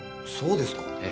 そうですか？